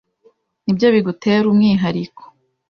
Nibyo bigutera umwihariko.